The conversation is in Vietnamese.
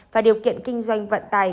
và điều kiện kinh doanh vận tài